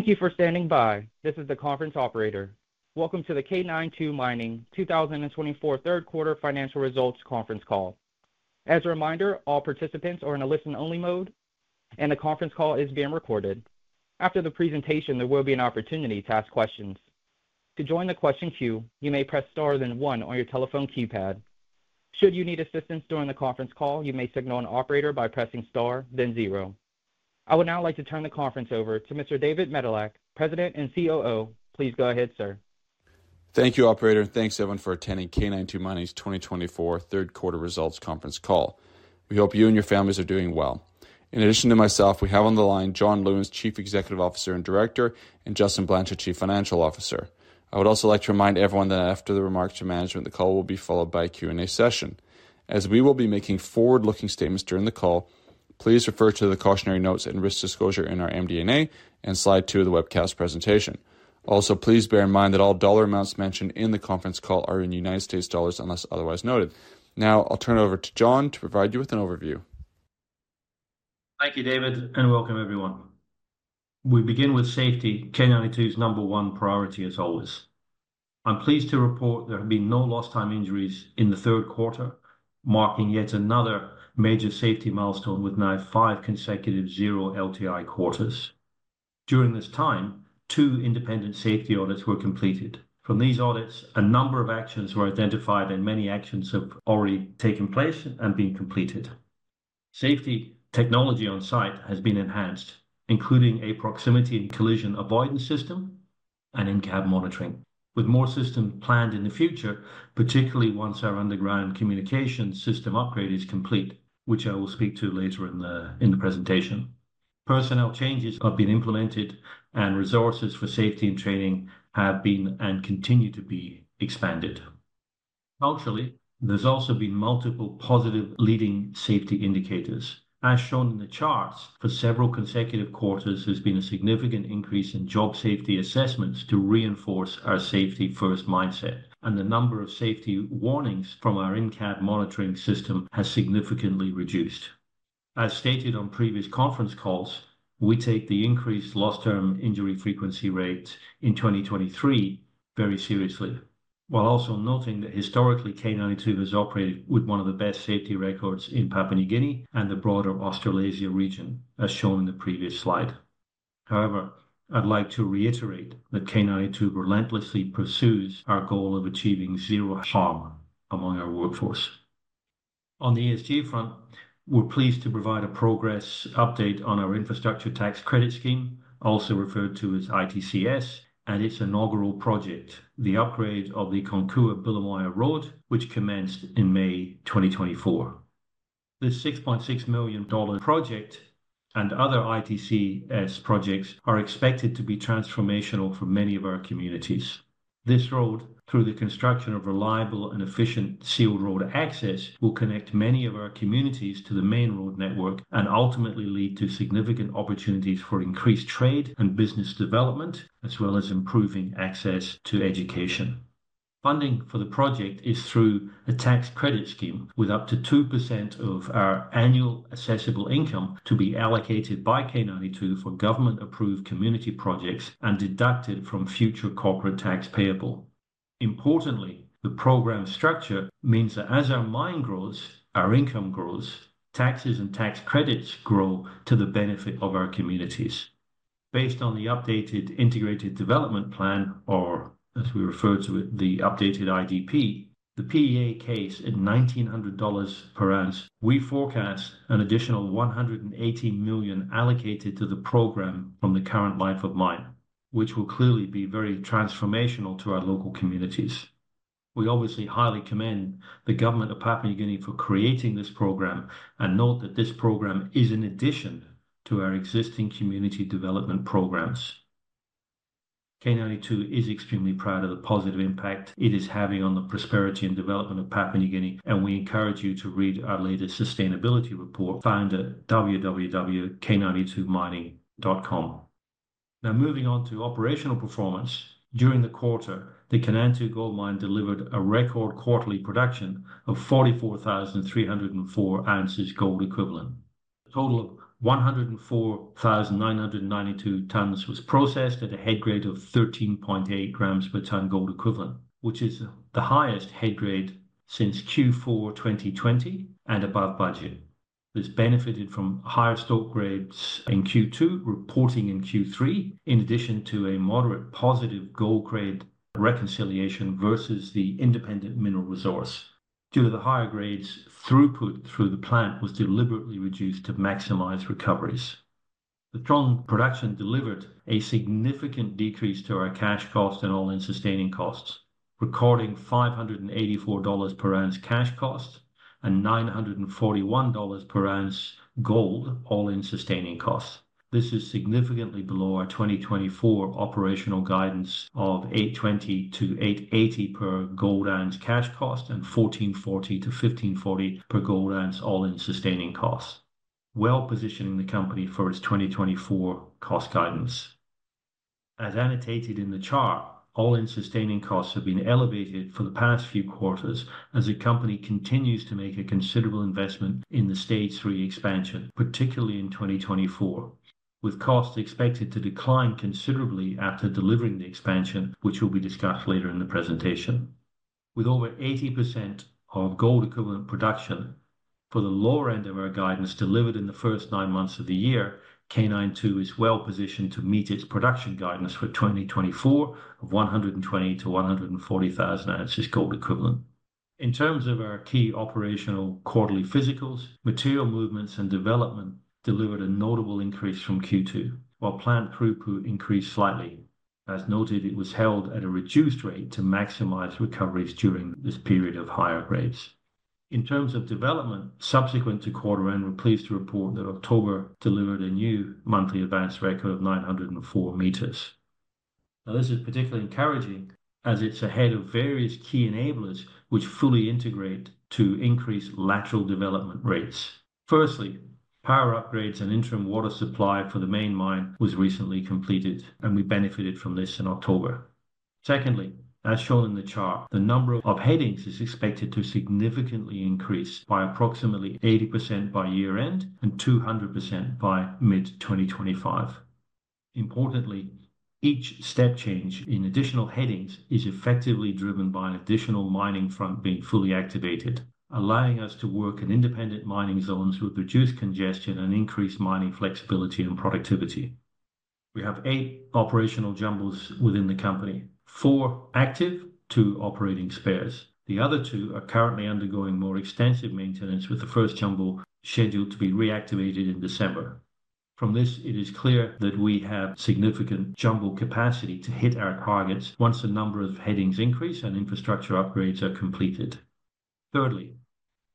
Thank you for standing by. This is the conference operator. Welcome to the K92 Mining 2024 third quarter financial results conference call. As a reminder, all participants are in a listen-only mode, and the conference call is being recorded. After the presentation, there will be an opportunity to ask questions. To join the question queue, you may press star then one on your telephone keypad. Should you need assistance during the conference call, you may signal an operator by pressing star, then zero. I would now like to turn the conference over to Mr. David Medilek, President and COO. Please go ahead, sir. Thank you, Operator, and thanks, everyone, for attending K92 Mining's 2024 third quarter results conference call. We hope you and your families are doing well. In addition to myself, we have on the line John Lewins, Chief Executive Officer and Director, and Justin Blanchet, Chief Financial Officer. I would also like to remind everyone that after the remarks to management, the call will be followed by a Q&A session. As we will be making forward-looking statements during the call, please refer to the cautionary notes and risk disclosure in our MD&A and slide two of the webcast presentation. Also, please bear in mind that all dollar amounts mentioned in the conference call are in United States dollars unless otherwise noted. Now, I'll turn it over to John to provide you with an overview. Thank you, David, and welcome, everyone. We begin with safety. K92's number one priority, as always. I'm pleased to report there have been no lost-time injuries in the third quarter, marking yet another major safety milestone with now five consecutive zero LTI quarters. During this time, two independent safety audits were completed. From these audits, a number of actions were identified, and many actions have already taken place and been completed. Safety technology on site has been enhanced, including a proximity and collision avoidance system and in-cab monitoring. With more systems planned in the future, particularly once our underground communication system upgrade is complete, which I will speak to later in the presentation, personnel changes have been implemented, and resources for safety and training have been and continue to be expanded. Culturally, there's also been multiple positive leading safety indicators. As shown in the charts, for several consecutive quarters, there's been a significant increase in job safety assessments to reinforce our safety-first mindset, and the number of safety warnings from our in-cab monitoring system has significantly reduced. As stated on previous conference calls, we take the increased lost-time injury frequency rate in 2023 very seriously, while also noting that historically, K92 has operated with one of the best safety records in Papua New Guinea and the broader Australasia region, as shown in the previous slide. However, I'd like to reiterate that K92 relentlessly pursues our goal of achieving zero harm among our workforce. On the ESG front, we're pleased to provide a progress update on our Infrastructure Tax Credit Scheme, also referred to as ITCS, and its inaugural project, the upgrade of the Konkua-Bilimoia Road, which commenced in May 2024. This $6.6 million project and other ITCS projects are expected to be transformational for many of our communities. This road, through the construction of reliable and efficient sealed road access, will connect many of our communities to the main road network and ultimately lead to significant opportunities for increased trade and business development, as well as improving access to education. Funding for the project is through a tax credit scheme with up to 2% of our annual assessable income to be allocated by K92 for government-approved community projects and deducted from future corporate tax payable. Importantly, the program structure means that as our mine grows, our income grows, taxes and tax credits grow to the benefit of our communities. Based on the updated Integrated Development Plan, or as we refer to it, the updated IDP, the PEA case at $1,900 per ounce, we forecast an additional $180 million allocated to the program from the current life of mine, which will clearly be very transformational to our local communities. We obviously highly commend the government of Papua New Guinea for creating this program and note that this program is in addition to our existing community development programs. K92 is extremely proud of the positive impact it is having on the prosperity and development of Papua New Guinea, and we encourage you to read our latest sustainability report. Find at www.k92mining.com. Now, moving on to operational performance. During the quarter, the Kanantu Gold Mine delivered a record quarterly production of 44,304 ounces gold equivalent. A total of 104,992 tons was processed at a head grade of 13.8 grams per ton gold equivalent, which is the highest head grade since Q4 2020 and above budget. This benefited from higher stock grades in Q2, reporting in Q3, in addition to a moderate positive gold grade reconciliation versus the independent mineral resource. Due to the higher grades, throughput through the plant was deliberately reduced to maximize recoveries. The strong production delivered a significant decrease to our cash cost and all-in sustaining costs, recording $584 per ounce cash cost and $941 per ounce gold all-in sustaining costs. This is significantly below our 2024 operational guidance of $820-$880 per gold ounce cash cost and $1,440-$1,540 per gold ounce all-in sustaining costs, well positioning the company for its 2024 cost guidance. As annotated in the chart, All-in sustaining costs have been elevated for the past few quarters as the company continues to make a considerable investment in the Stage 3 Expansion, particularly in 2024, with costs expected to decline considerably after delivering the expansion, which will be discussed later in the presentation. With over 80% of gold equivalent production for the lower end of our guidance delivered in the first nine months of the year, K92 is well positioned to meet its production guidance for 2024 of 120,000-140,000 ounces gold equivalent. In terms of our key operational quarterly physicals, material movements and development delivered a notable increase from Q2, while plant throughput increased slightly. As noted, it was held at a reduced rate to maximize recoveries during this period of higher grades. In terms of development subsequent to quarter end, we're pleased to report that October delivered a new monthly advance record of 904 meters. Now, this is particularly encouraging as it's ahead of various key enablers which fully integrate to increase lateral development rates. Firstly, power upgrades and interim water supply for the main mine was recently completed, and we benefited from this in October. Secondly, as shown in the chart, the number of headings is expected to significantly increase by approximately 80% by year-end and 200% by mid-2025. Importantly, each step change in additional headings is effectively driven by an additional mining front being fully activated, allowing us to work in independent mining zones with reduced congestion and increased mining flexibility and productivity. We have eight operational jumbos within the company, four active and two operating spares. The other two are currently undergoing more extensive maintenance, with the first jumbo scheduled to be reactivated in December. From this, it is clear that we have significant jumbo capacity to hit our targets once the number of headings increase and infrastructure upgrades are completed. Thirdly,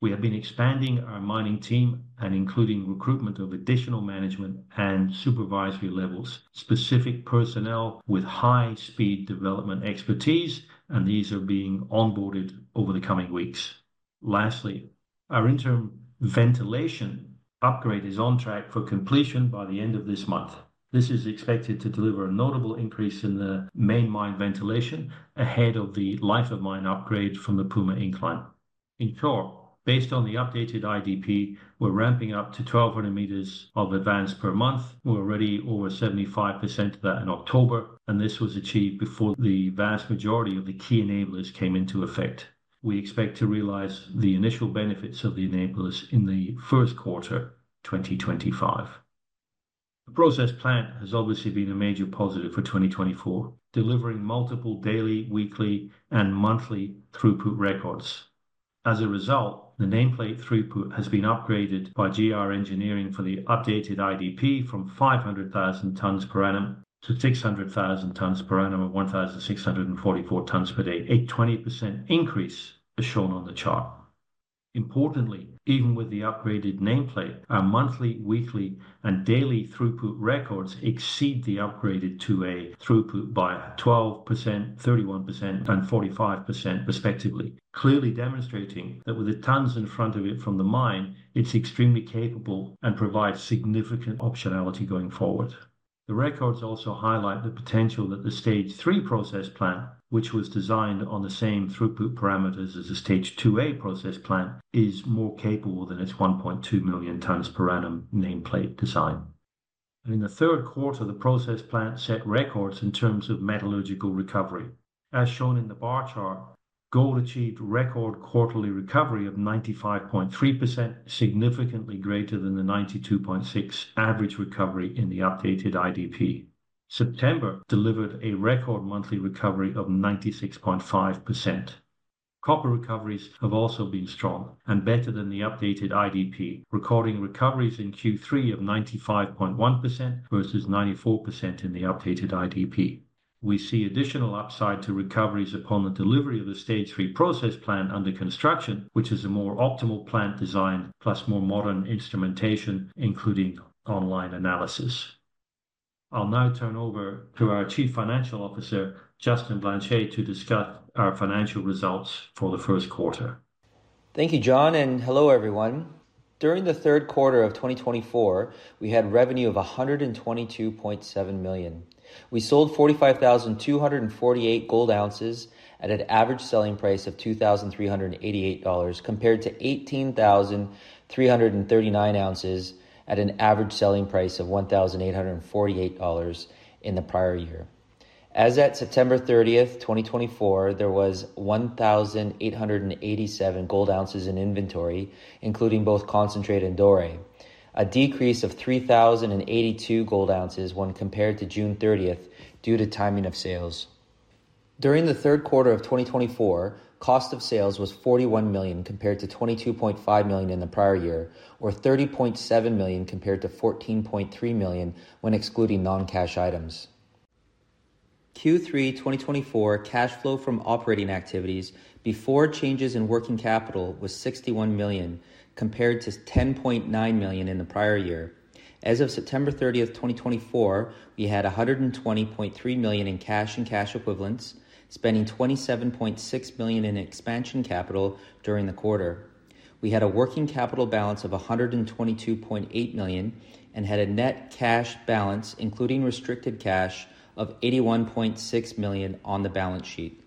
we have been expanding our mining team and including recruitment of additional management and supervisory levels, specific personnel with high-speed development expertise, and these are being onboarded over the coming weeks. Lastly, our interim ventilation upgrade is on track for completion by the end of this month. This is expected to deliver a notable increase in the main mine ventilation ahead of the life-of-mine upgrade from the Puma Incline. In short, based on the updated IDP, we're ramping up to 1,200 meters of advance per month. We're already over 75% of that in October, and this was achieved before the vast majority of the key enablers came into effect. We expect to realize the initial benefits of the enablers in the first quarter 2025. The process plant has obviously been a major positive for 2024, delivering multiple daily, weekly, and monthly throughput records. As a result, the nameplate throughput has been upgraded by GR Engineering for the updated IDP from 500,000 tons per annum to 600,000 tons per annum of 1,644 tons per day, a 20% increase as shown on the chart. Importantly, even with the upgraded nameplate, our monthly, weekly, and daily throughput records exceed the upgraded throughput by 12%, 31%, and 45%, respectively, clearly demonstrating that with the tons in front of it from the mine, it's extremely capable and provides significant optionality going forward. The records also highlight the potential that the Stage 3 process plant, which was designed on the same throughput parameters as the Stage 2A process plant, is more capable than its 1.2 million tonnes per annum nameplate design. In the third quarter, the process plant set records in terms of metallurgical recovery. As shown in the bar chart, gold achieved record quarterly recovery of 95.3%, significantly greater than the 92.6% average recovery in the updated IDP. September delivered a record monthly recovery of 96.5%. Copper recoveries have also been strong and better than the updated IDP, recording recoveries in Q3 of 95.1% versus 94% in the updated IDP. We see additional upside to recoveries upon the delivery of the Stage 3 process plant under construction, which is a more optimal plant design plus more modern instrumentation, including online analysis. I'll now turn over to our Chief Financial Officer, Justin Blanchet, to discuss our financial results for the first quarter. Thank you, John, and hello, everyone. During the third quarter of 2024, we had revenue of $122.7 million. We sold 45,248 gold ounces at an average selling price of $2,388, compared to 18,339 ounces at an average selling price of $1,848 in the prior year. As at September 30, 2024, there was 1,887 gold ounces in inventory, including both concentrate and doré, a decrease of 3,082 gold ounces when compared to June 30 due to timing of sales. During the third quarter of 2024, cost of sales was $41 million compared to $22.5 million in the prior year, or $30.7 million compared to $14.3 million when excluding non-cash items. Q3 2024 cash flow from operating activities before changes in working capital was $61 million, compared to $10.9 million in the prior year. As of September 30, 2024, we had $120.3 million in cash and cash equivalents, spending $27.6 million in expansion capital during the quarter. We had a working capital balance of $122.8 million and had a net cash balance, including restricted cash, of $81.6 million on the balance sheet.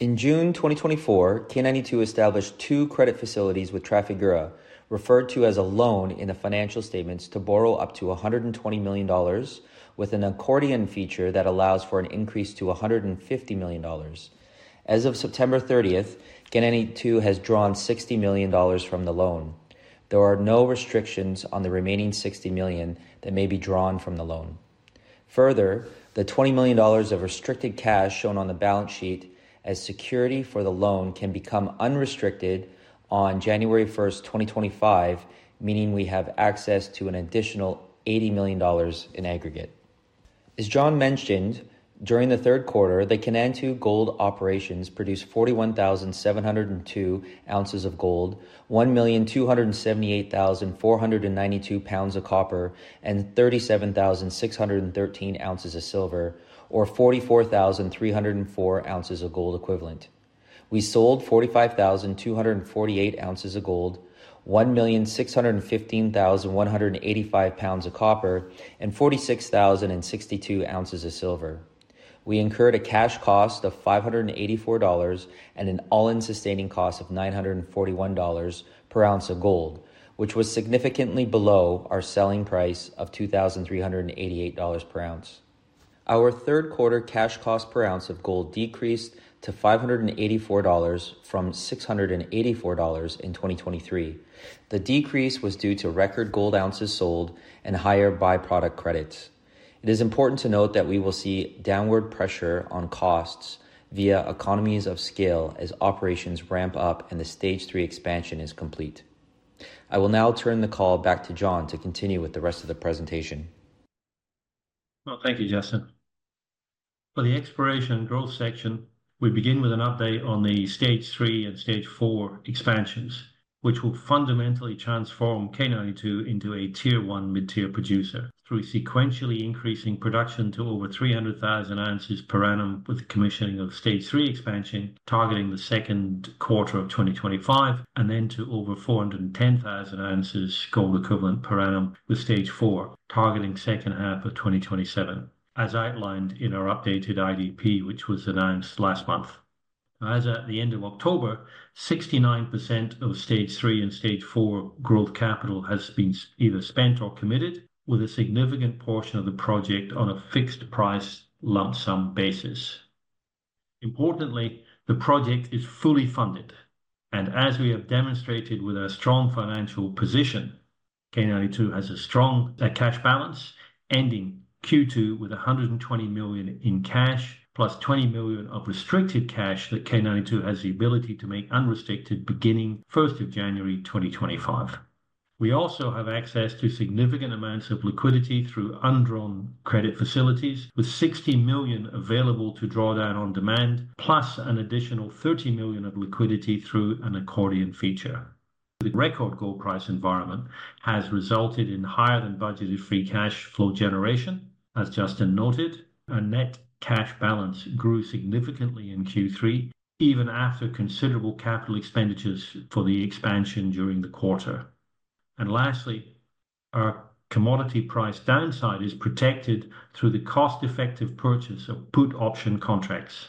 In June 2024, K92 established two credit facilities with Trafigura, referred to as a loan in the financial statements, to borrow up to $120 million, with an accordion feature that allows for an increase to $150 million. As of September 30, K92 has drawn $60 million from the loan. There are no restrictions on the remaining $60 million that may be drawn from the loan. Further, the $20 million of restricted cash shown on the balance sheet as security for the loan can become unrestricted on January 1, 2025, meaning we have access to an additional $80 million in aggregate. As John mentioned, during the third quarter, the Kanantu Gold operations produced 41,702 ounces of gold, 1,278,492 pounds of copper, and 37,613 ounces of silver, or 44,304 ounces of gold equivalent. We sold 45,248 ounces of gold, 1,615,185 pounds of copper, and 46,062 ounces of silver. We incurred a cash cost of $584 and an all-in sustaining cost of $941 per ounce of gold, which was significantly below our selling price of $2,388 per ounce. Our third quarter cash cost per ounce of gold decreased to $584 from $684 in 2023. The decrease was due to record gold ounces sold and higher byproduct credits. It is important to note that we will see downward pressure on costs via economies of scale as operations ramp up and the Stage 3 expansion is complete. I will now turn the call back to John to continue with the rest of the presentation. Thank you, Justin. For the exploration and growth section, we begin with an update on the Stage 3 Expansion and Stage 4 Expansion, which will fundamentally transform K92 into a Tier 1 mid-tier producer through sequentially increasing production to over 300,000 ounces per annum with the commissioning of Stage 3 Expansion targeting the second quarter of 2025, and then to over 410,000 ounces gold equivalent per annum with Stage 4 Expansion targeting the second half of 2027, as outlined in our updated IDP, which was announced last month. As at the end of October, 69% of Stage 3 Expansion and Stage 4 Expansion growth capital has been either spent or committed, with a significant portion of the project on a fixed price lump sum basis. Importantly, the project is fully funded, and as we have demonstrated with our strong financial position, K92 has a strong cash balance ending Q2 with $120 million in cash plus $20 million of restricted cash that K92 has the ability to make unrestricted beginning 1 January 2025. We also have access to significant amounts of liquidity through undrawn credit facilities, with $60 million available to draw down on demand, plus an additional $30 million of liquidity through an accordion feature. The record gold price environment has resulted in higher than budgeted free cash flow generation, as Justin noted. Our net cash balance grew significantly in Q3, even after considerable capital expenditures for the expansion during the quarter. And lastly, our commodity price downside is protected through the cost-effective purchase of put option contracts.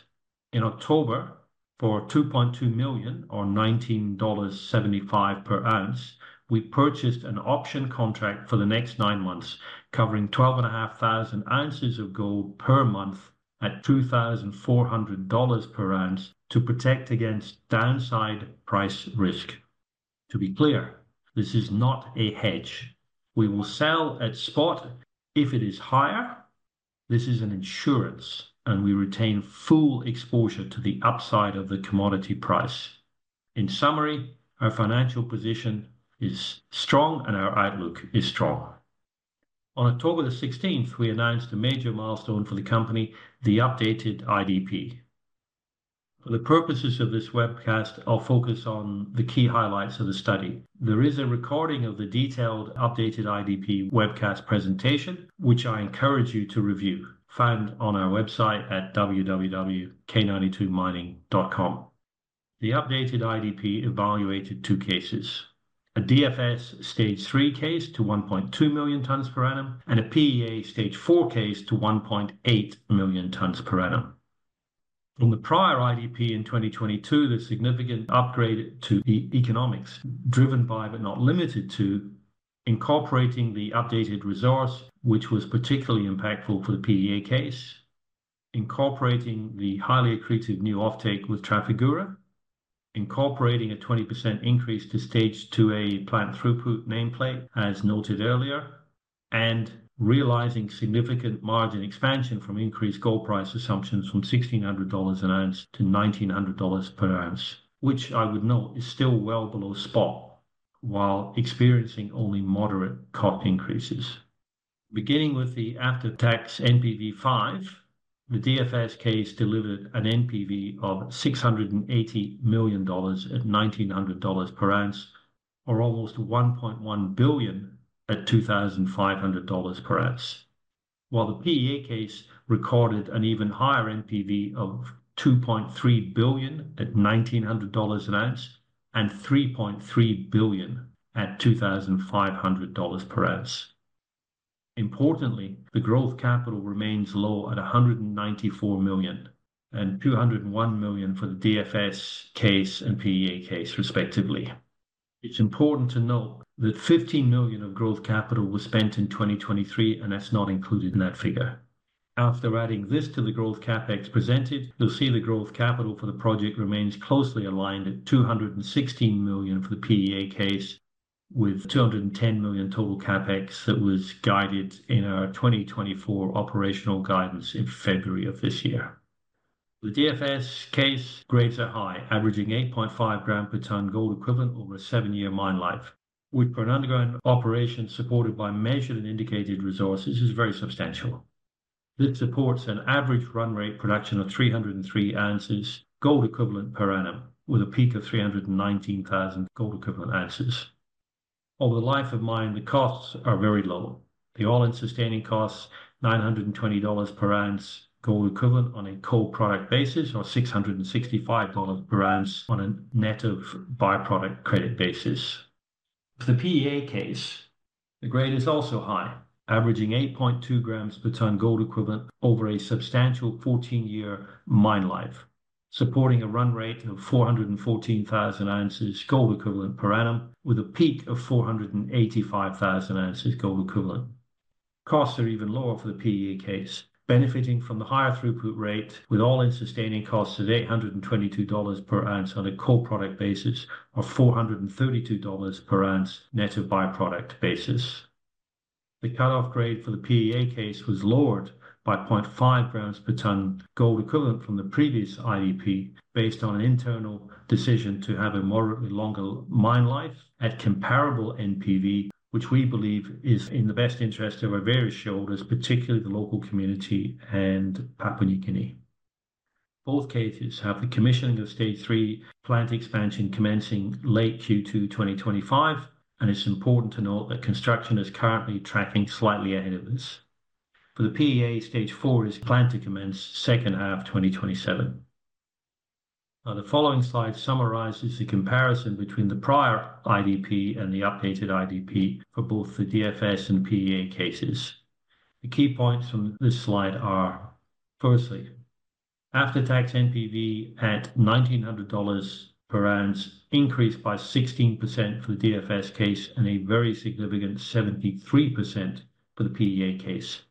In October, for $2.2 million, or $19.75 per ounce, we purchased an option contract for the next nine months, covering 12,500 ounces of gold per month at $2,400 per ounce to protect against downside price risk. To be clear, this is not a hedge. We will sell at spot if it is higher. This is an insurance, and we retain full exposure to the upside of the commodity price. In summary, our financial position is strong, and our outlook is strong. On October 16, we announced a major milestone for the company, the updated IDP. For the purposes of this webcast, I'll focus on the key highlights of the study. There is a recording of the detailed updated IDP webcast presentation, which I encourage you to review, found on our website at www.k92mining.com. The updated IDP evaluated two cases: a DFS Stage 3 case to 1.2 million tons per annum and a PEA Stage 4 case to 1.8 million tons per annum. From the prior IDP in 2022, there's a significant upgrade to the economics, driven by but not limited to incorporating the updated resource, which was particularly impactful for the PEA case, incorporating the highly accretive new offtake with Trafigura, incorporating a 20% increase to Stage 2A plant throughput nameplate, as noted earlier, and realizing significant margin expansion from increased gold price assumptions from $1,600 an ounce to $1,900 per ounce, which I would note is still well below spot while experiencing only moderate cost increases. Beginning with the after-tax NPV 5, the DFS case delivered an NPV of $680 million at $1,900 per ounce, or almost $1.1 billion at $2,500 per ounce, while the PEA case recorded an even higher NPV of $2.3 billion at $1,900 an ounce and $3.3 billion at $2,500 per ounce. Importantly, the growth capital remains low at $194 million and $201 million for the DFS case and PEA case, respectively. It's important to note that $15 million of growth capital was spent in 2023, and that's not included in that figure. After adding this to the growth CapEx presented, you'll see the growth capital for the project remains closely aligned at $216 million for the PEA case, with $210 million total CapEx that was guided in our 2024 operational guidance in February of this year. The DFS case grades are high, averaging 8.5 grams per ton gold equivalent over a seven-year mine life, which, for an underground operation supported by measured and indicated resources, is very substantial. This supports an average run rate production of 303,000 ounces gold equivalent per annum, with a peak of 319,000 gold equivalent ounces. Over the life of mine, the costs are very low. The all-in sustaining costs, $920 per ounce gold equivalent on a co-product basis, or $665 per ounce on a net of by-product credit basis. For the PEA case, the grade is also high, averaging 8.2 grams per ton gold equivalent over a substantial 14-year mine life, supporting a run rate of 414,000 ounces gold equivalent per annum, with a peak of 485,000 ounces gold equivalent. Costs are even lower for the PEA case, benefiting from the higher throughput rate, with all-in sustaining costs of $822 per ounce on a core product basis, or $432 per ounce net of byproduct basis. The cutoff grade for the PEA case was lowered by 0.5 grams per ton gold equivalent from the previous IDP, based on an internal decision to have a moderately longer mine life at comparable NPV, which we believe is in the best interest of our various shareholders, particularly the local community and Papua New Guinea. Both cases have the commissioning of Stage 3 plant expansion commencing late Q2 2025, and it's important to note that construction is currently tracking slightly ahead of this. For the PEA, Stage 4 is planned to commence second half 2027. The following slide summarizes the comparison between the prior IDP and the updated IDP for both the DFS and PEA cases. The key points from this slide are, firstly, after-tax NPV at $1,900 per ounce increased by 16% for the DFS case and a very significant 73% for the PEA case.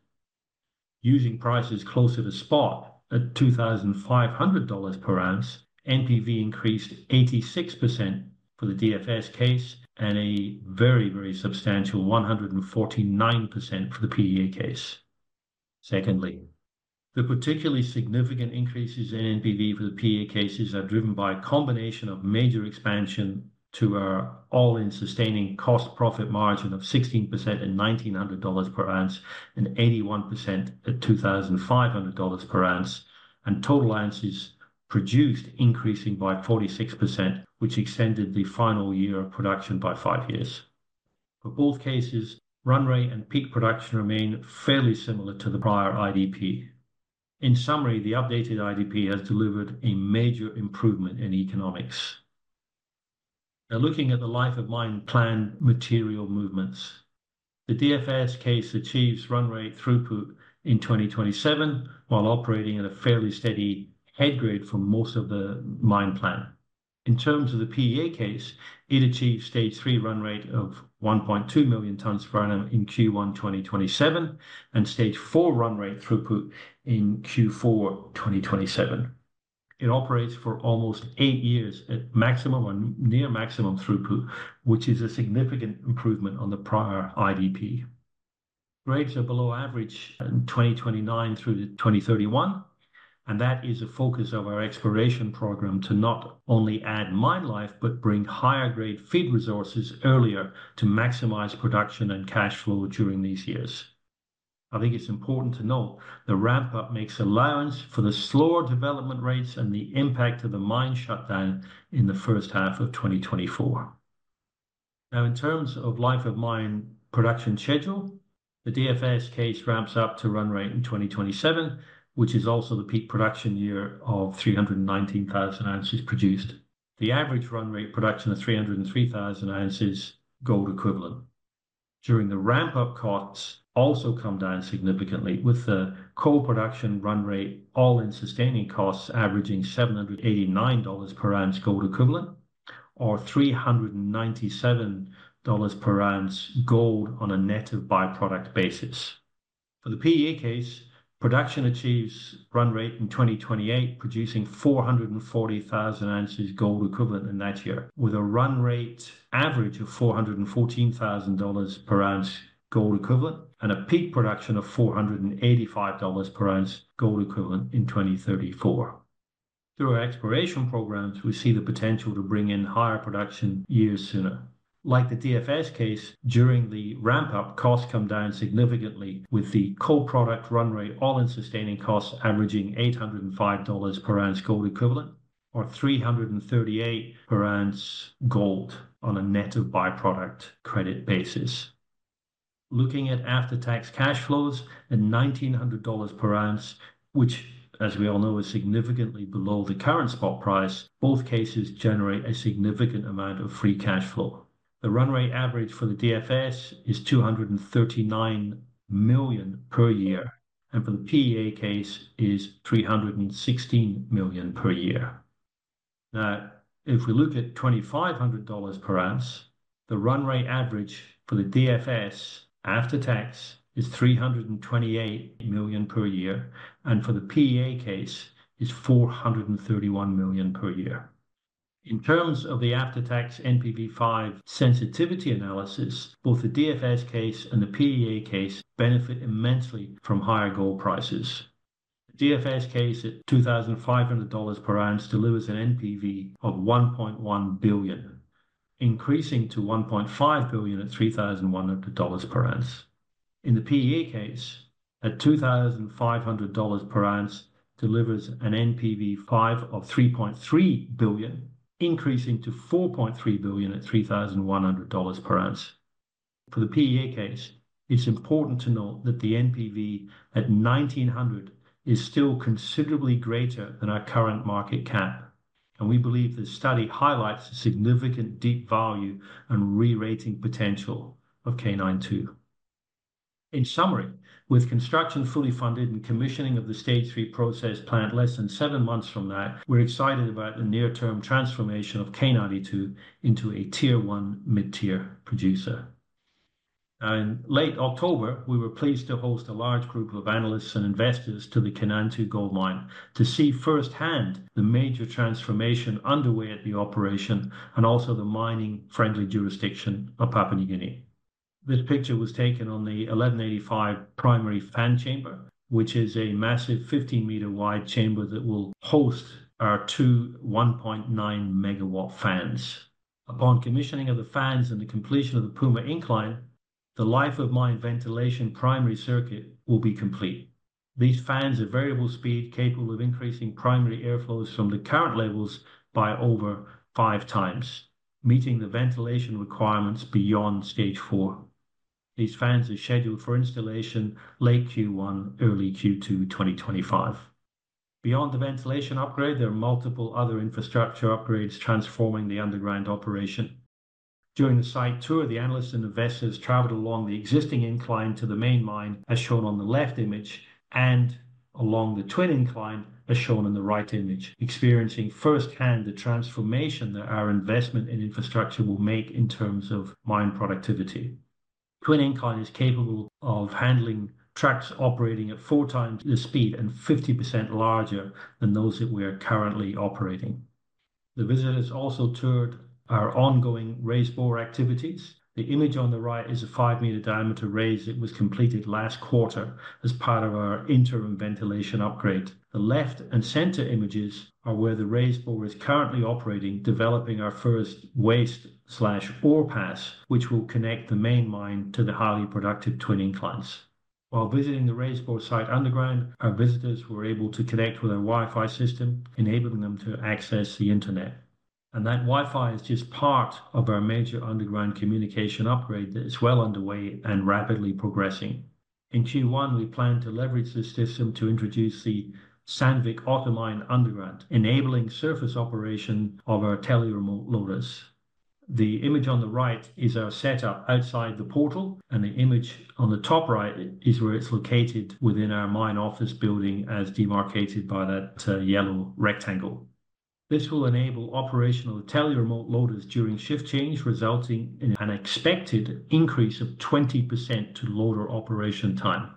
Using prices closer to spot at $2,500 per ounce, NPV increased 86% for the DFS case and a very, very substantial 149% for the PEA case. Secondly, the particularly significant increases in NPV for the PEA cases are driven by a combination of major expansion to our all-in sustaining cost-profit margin of 16% at $1,900 per ounce and 81% at $2,500 per ounce, and total ounces produced increasing by 46%, which extended the final year of production by five years. For both cases, run rate and peak production remain fairly similar to the prior IDP. In summary, the updated IDP has delivered a major improvement in economics. Now, looking at the life of mine plan material movements, the DFS case achieves run rate throughput in 2027 while operating at a fairly steady head grade for most of the mine plan. In terms of the PEA case, it achieves Stage 3 run rate of 1.2 million tonnes per annum in Q1 2027 and Stage 4 run rate throughput in Q4 2027. It operates for almost eight years at maximum or near maximum throughput, which is a significant improvement on the prior IDP. Grades are below average in 2029 through to 2031, and that is a focus of our exploration program to not only add mine life but bring higher-grade feed resources earlier to maximize production and cash flow during these years. I think it's important to note the ramp-up makes allowance for the slower development rates and the impact of the mine shutdown in the first half of 2024. Now, in terms of life of mine production schedule, the DFS case ramps up to run rate in 2027, which is also the peak production year of 319,000 ounces produced. The average run rate production of 303,000 ounces gold equivalent during the ramp-up costs also come down significantly, with the core production run rate all-in sustaining costs averaging $789 per ounce gold equivalent or $397 per ounce gold on a net of byproduct basis. For the PEA case, production achieves run rate in 2028, producing 440,000 ounces gold equivalent in that year, with a run rate average of $414,000 per ounce gold equivalent and a peak production of $485 per ounce gold equivalent in 2034. Through our exploration programs, we see the potential to bring in higher production years sooner. Like the DFS case, during the ramp-up, costs come down significantly, with the core product run rate all-in sustaining costs averaging $805 per ounce gold equivalent or $338 per ounce gold on a net of byproduct credit basis. Looking at after-tax cash flows at $1,900 per ounce, which, as we all know, is significantly below the current spot price, both cases generate a significant amount of free cash flow. The run rate average for the DFS is $239 million per year, and for the PEA case, it is $316 million per year. Now, if we look at $2,500 per ounce, the run rate average for the DFS after-tax is $328 million per year, and for the PEA case, it is $431 million per year. In terms of the after-tax NPV 5 sensitivity analysis, both the DFS case and the PEA case benefit immensely from higher gold prices. The DFS case at $2,500 per ounce delivers an NPV of $1.1 billion, increasing to $1.5 billion at $3,100 per ounce. In the PEA case, at $2,500 per ounce, it delivers an NPV 5 of $3.3 billion, increasing to $4.3 billion at $3,100 per ounce. For the PEA case, it's important to note that the NPV at $1,900 is still considerably greater than our current market cap, and we believe the study highlights a significant deep value and re-rating potential of K92. In summary, with construction fully funded and commissioning of the Stage 3 process planned less than seven months from now, we're excited about the near-term transformation of K92 into a Tier 1 mid-tier producer. In late October, we were pleased to host a large group of analysts and investors to the Kanantu Gold Mine to see firsthand the major transformation underway at the operation and also the mining-friendly jurisdiction of Papua New Guinea. This picture was taken on the 1185 primary fan chamber, which is a massive 15-meter-wide chamber that will host our two 1.9-megawatt fans. Upon commissioning of the fans and the completion of the Puma Incline, the life of mine ventilation primary circuit will be complete. These fans are variable speed, capable of increasing primary airflows from the current levels by over five times, meeting the ventilation requirements beyond Stage 4. These fans are scheduled for installation late Q1, early Q2 2025. Beyond the ventilation upgrade, there are multiple other infrastructure upgrades transforming the underground operation. During the site tour, the analysts and investors traveled along the existing incline to the main mine, as shown on the left image, and along the twin incline, as shown in the right image, experiencing firsthand the transformation that our investment in infrastructure will make in terms of mine productivity. Twin incline is capable of handling trucks operating at four times the speed and 50% larger than those that we are currently operating. The visitors also toured our ongoing raise bore activities. The image on the right is a five-meter diameter raise that was completed last quarter as part of our interim ventilation upgrade. The left and center images are where the raise bore is currently operating, developing our first waste ore pass, which will connect the main mine to the highly productive twin inclines. While visiting the raise-bore site underground, our visitors were able to connect with our Wi-Fi system, enabling them to access the internet, and that Wi-Fi is just part of our major underground communication upgrade that is well underway and rapidly progressing. In Q1, we plan to leverage this system to introduce the Sandvik AutoMine underground, enabling surface operation of our tele-remote loaders. The image on the right is our setup outside the portal, and the image on the top right is where it's located within our mine office building, as demarcated by that yellow rectangle. This will enable operational tele-remote loaders during shift change, resulting in an expected increase of 20% to loader operation time.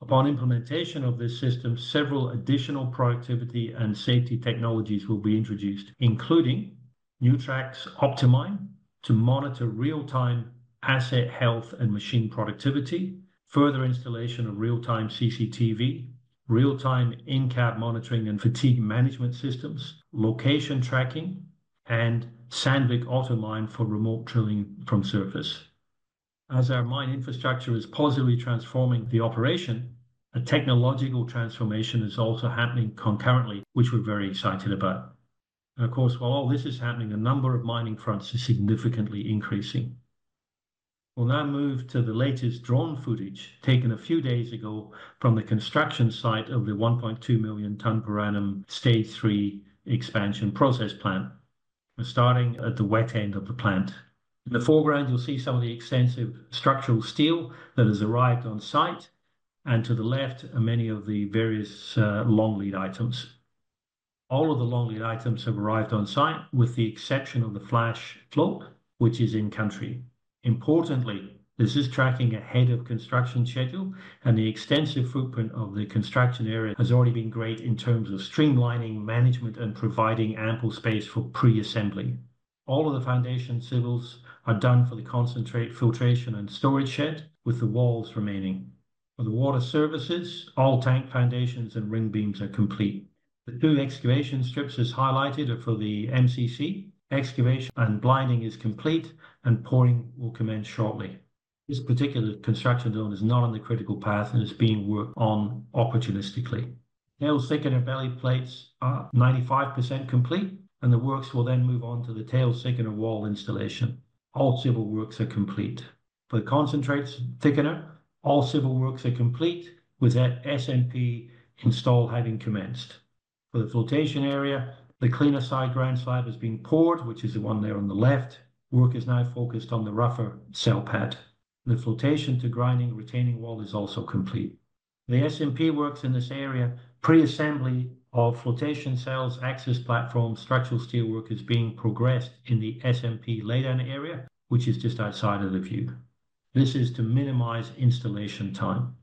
Upon implementation of this system, several additional productivity and safety technologies will be introduced, including new tracks optimized to monitor real-time asset health and machine productivity, further installation of real-time CCTV, real-time in-cab monitoring and fatigue management systems, location tracking, and Sandvik AutoMine for remote drilling from surface. As our mine infrastructure is positively transforming the operation, a technological transformation is also happening concurrently, which we're very excited about. And of course, while all this is happening, a number of mining fronts are significantly increasing. We'll now move to the latest drone footage taken a few days ago from the construction site of the 1.2 million tonnes per annum Stage 3 Expansion process plant. We're starting at the wet end of the plant. In the foreground, you'll see some of the extensive structural steel that has arrived on site, and to the left, many of the various long lead items. All of the long lead items have arrived on site, with the exception of the flash flotation, which is in country. Importantly, this is tracking ahead of construction schedule, and the extensive footprint of the construction area has already been great in terms of streamlining management and providing ample space for pre-assembly. All of the foundation civils are done for the concentrate filtration and storage shed, with the walls remaining. For the water services, all tank foundations and ring beams are complete. The two excavation strips as highlighted are for the MCC. Excavation and blinding is complete, and pouring will commence shortly. This particular construction zone is not on the critical path, and it's being worked on opportunistically. Tail thickener belly plates are 95% complete, and the works will then move on to the tail thickener wall installation. All civil works are complete. For the concentrates thickener, all civil works are complete, with that SMP install having commenced. For the flotation area, the cleaner side ground slab has been poured, which is the one there on the left. Work is now focused on the rougher cell pad. The flotation to grinding retaining wall is also complete. The SMP works in this area, pre-assembly of flotation cells, access platform, structural steel work is being progressed in the SMP lay down area, which is just outside of the view. This is to minimize installation time.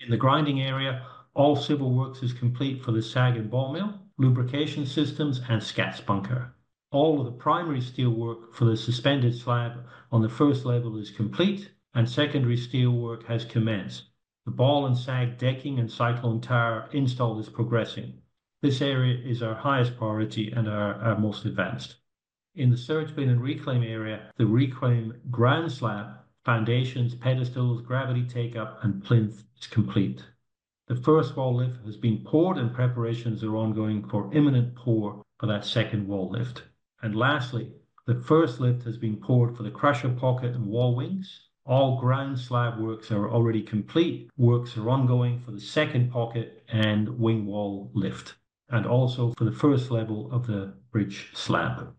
In the grinding area, all civil works is complete for the SAG and ball mill, lubrication systems, and scat bunker. All of the primary steel work for the suspended slab on the first level is complete, and secondary steel work has commenced. The ball and SAG decking and cyclone tower install is progressing. This area is our highest priority and our most advanced. In the surge bin and reclaim area, the reclaim ground slab, foundations, pedestals, gravity take-up, and plinth is complete. The first wall lift has been poured, and preparations are ongoing for imminent pour for that second wall lift. And lastly, the first lift has been poured for the crusher pocket and wall wings. All ground slab works are already complete. Works are ongoing for the second pocket and wing wall lift, and also for the first level of the bridge slab.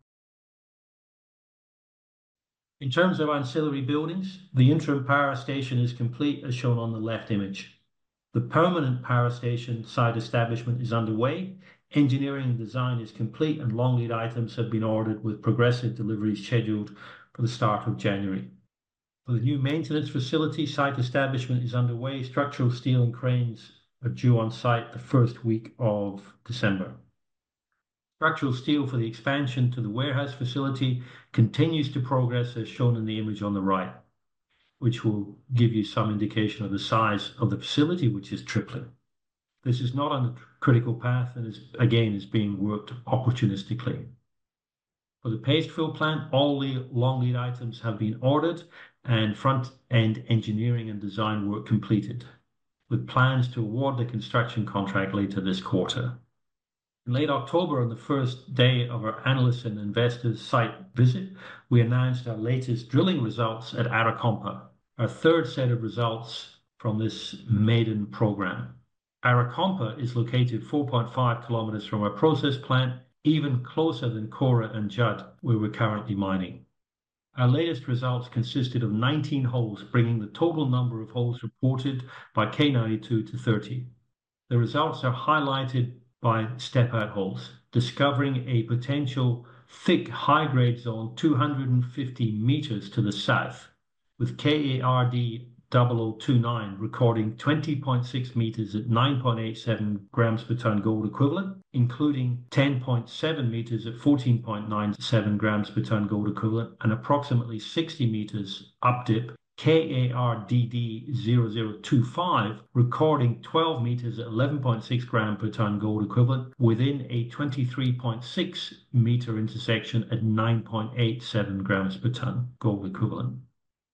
In terms of ancillary buildings, the interim power station is complete, as shown on the left image. The permanent power station site establishment is underway. Engineering and design is complete, and long lead items have been ordered, with progressive deliveries scheduled for the start of January. For the new maintenance facility, site establishment is underway. Structural steel and cranes are due on site the first week of December. Structural steel for the expansion to the warehouse facility continues to progress, as shown in the image on the right, which will give you some indication of the size of the facility, which is tripling. This is not on the critical path and is, again, being worked opportunistically. For the paste fill plant, all the long lead items have been ordered and front-end engineering and design work completed, with plans to award the construction contract later this quarter. In late October, on the first day of our analysts and investors' site visit, we announced our latest drilling results at Arakompa, our third set of results from this maiden program. Arakompa is located 4.5 kilometers from our process plant, even closer than Kora and Judd, where we're currently mining. Our latest results consisted of 19 holes, bringing the total number of holes reported by K92 to 30. The results are highlighted by step-out holes, discovering a potential thick high-grade zone 250 meters to the south, with KARD0029 recording 20.6 meters at 9.87 grams per ton gold equivalent, including 10.7 meters at 14.97 grams per ton gold equivalent, and approximately 60 meters updip, KARDD0025 recording 12 meters at 11.6 grams per ton gold equivalent, within a 23.6 meter intersection at 9.87 grams per ton gold equivalent.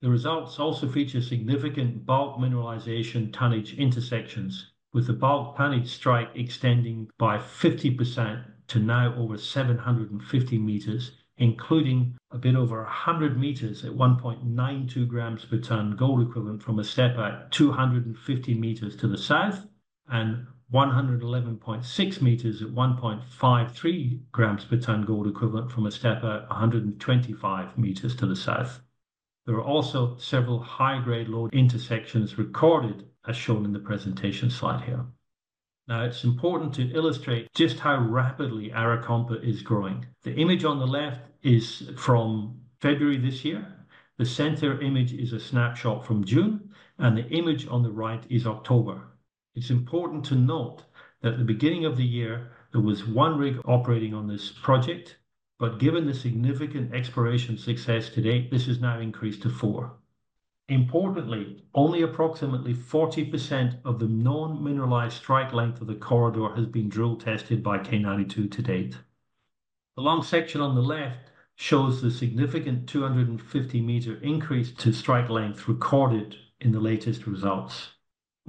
The results also feature significant bulk mineralization tonnage intersections, with the bulk tonnage strike extending by 50% to now over 750 meters, including a bit over 100 meters at 1.92 grams per ton gold equivalent from a step-out 250 meters to the south and 111.6 meters at 1.53 grams per ton gold equivalent from a step-out 125 meters to the south. There are also several high-grade lode intersections recorded, as shown in the presentation slide here. Now, it's important to illustrate just how rapidly Arakompa is growing. The image on the left is from February this year. The center image is a snapshot from June, and the image on the right is October. It's important to note that at the beginning of the year, there was one rig operating on this project, but given the significant exploration success to date, this has now increased to four. Importantly, only approximately 40% of the non-mineralized strike length of the corridor has been drill tested by K92 to date. The long section on the left shows the significant 250-meter increase to strike length recorded in the latest results,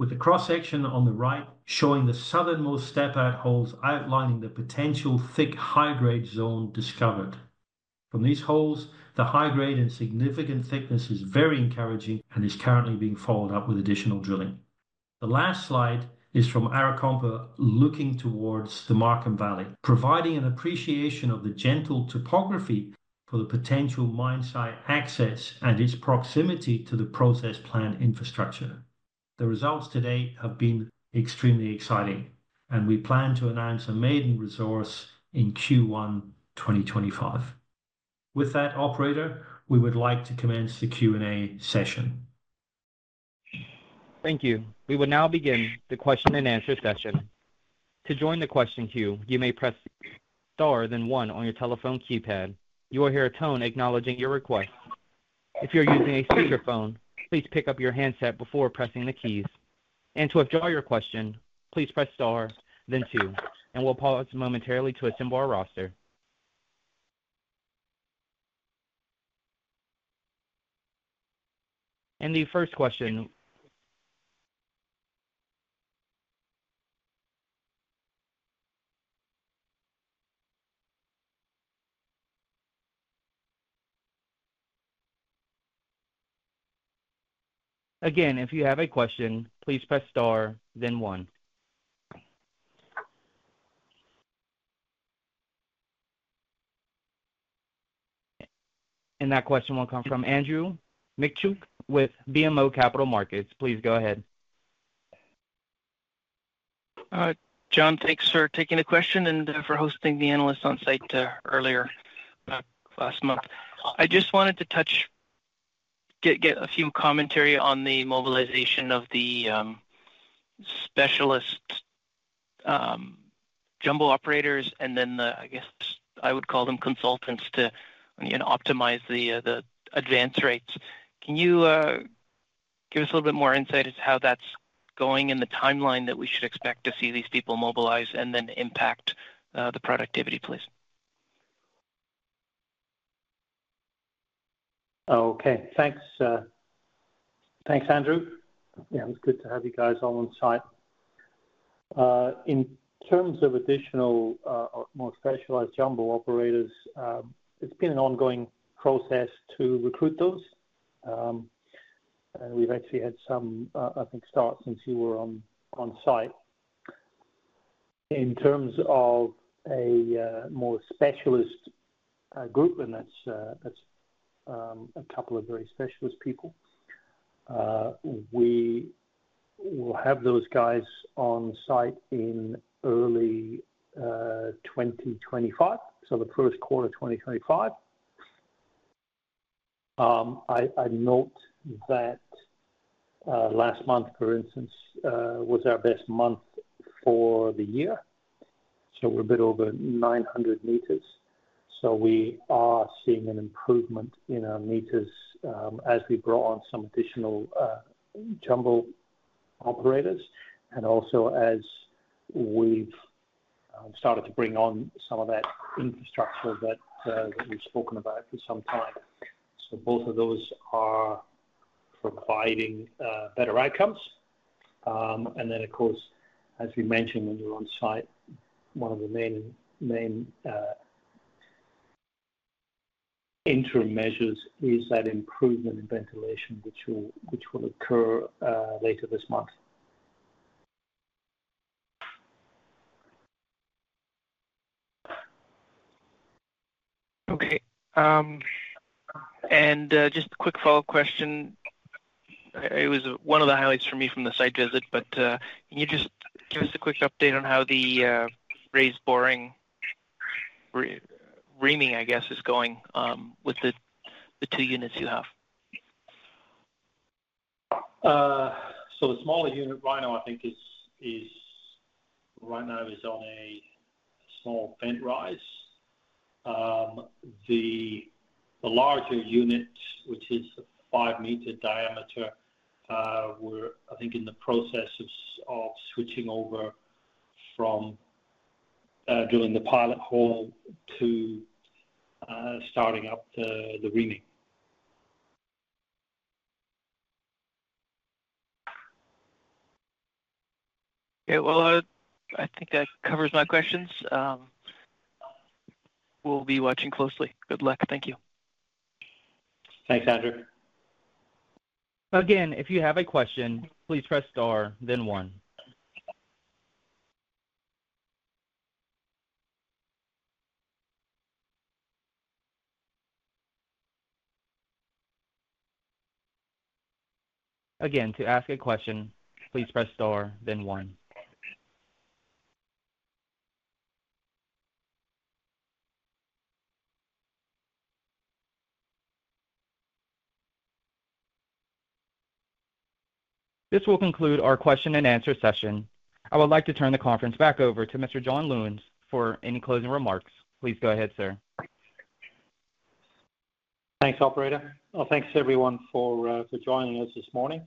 with the cross-section on the right showing the southernmost step-out holes outlining the potential thick high-grade zone discovered. From these holes, the high-grade and significant thickness is very encouraging and is currently being followed up with additional drilling. The last slide is from Arakompa looking towards the Markham Valley, providing an appreciation of the gentle topography for the potential mine site access and its proximity to the process plant infrastructure. The results to date have been extremely exciting, and we plan to announce a maiden resource in Q1 2025. With that, operator, we would like to commence the Q&A session. Thank you. We will now begin the question and answer session. To join the question queue, you may press star then one on your telephone keypad. You will hear a tone acknowledging your request. If you're using a speakerphone, please pick up your handset before pressing the keys. And to withdraw your question, please press star, then two, and we'll pause momentarily to assemble our roster. And the first question. Again, if you have a question, please press star, then one. And that question will come from Andrew Mikitchook with BMO Capital Markets. Please go ahead. John, thanks for taking the question and for hosting the analysts on site earlier last month. I just wanted to touch, get a few commentary on the mobilization of the specialist jumbo operators and then the, I guess I would call them consultants to optimize the advance rates. Can you give us a little bit more insight as to how that's going and the timeline that we should expect to see these people mobilize and then impact the productivity, please? Okay. Thanks. Thanks, Andrew. Yeah, it was good to have you guys all on site. In terms of additional, more specialized jumbo operators, it's been an ongoing process to recruit those. And we've actually had some, I think, starts since you were on site. In terms of a more specialist group, and that's a couple of very specialist people, we will have those guys on site in early 2025, so the first quarter of 2025. I note that last month, for instance, was our best month for the year. So we're a bit over 900 meters. So we are seeing an improvement in our meters as we brought on some additional jumbo operators, and also as we've started to bring on some of that infrastructure that we've spoken about for some time. So both of those are providing better outcomes. And then, of course, as we mentioned, when you're on site, one of the main interim measures is that improvement in ventilation, which will occur later this month. Okay. And just a quick follow-up question. It was one of the highlights for me from the site visit, but can you just give us a quick update on how the raise-bore reaming, I guess, is going with the two units you have? So the smaller unit, right now, I think, is on a small vent raise. The larger unit, which is a five-meter diameter, we're, I think, in the process of switching over from drilling the pilot hole to starting up the reaming. Okay. Well, I think that covers my questions. We'll be watching closely. Good luck. Thank you. Thanks, Andrew. Again, if you have a question, please press star, then one. Again, to ask a question, please press star, then one. This will conclude our question and answer session. I would like to turn the conference back over to Mr. John Lewins for any closing remarks. Please go ahead, sir. Thanks, operator. Well, thanks everyone for joining us this morning.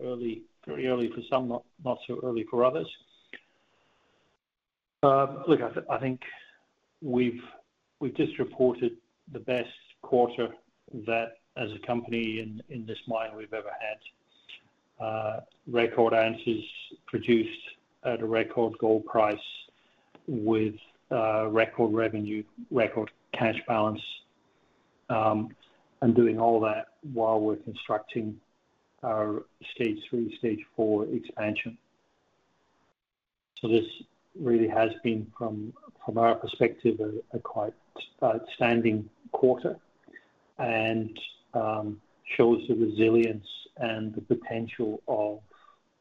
Early, very early for some, not so early for others. Look, I think we've just reported the best quarter that, as a company in this mine, we've ever had. Record ounces produced at a record gold price with record revenue, record cash balance, and doing all that while we're constructing our stage three, stage four expansion. So this really has been, from our perspective, a quite outstanding quarter and shows the resilience and the potential of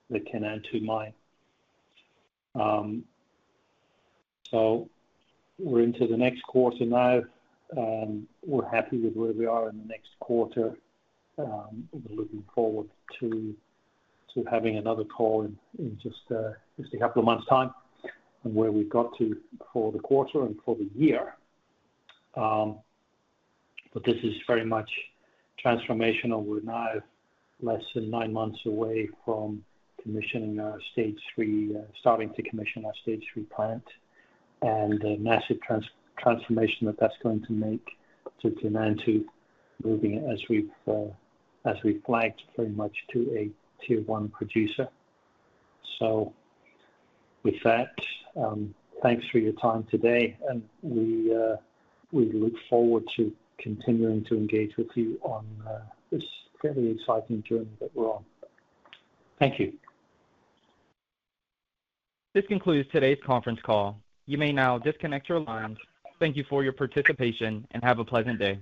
the K92 mine. So we're into the next quarter now. We're happy with where we are in the next quarter. We're looking forward to having another call in just a couple of months' time on where we've got to for the quarter and for the year, but this is very much transformational. We're now less than nine months away from commissioning our stage three, starting to commission our stage three plant, and the massive transformation that that's going to make to K92, moving it as we've flagged very much to a tier one producer. So with that, thanks for your time today, and we look forward to continuing to engage with you on this fairly exciting journey that we're on. Thank you. This concludes today's conference call. You may now disconnect your lines. Thank you for your participation and have a pleasant day.